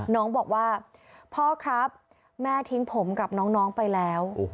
น้องบอกว่าพ่อครับแม่ทิ้งผมกับน้องไปแล้ว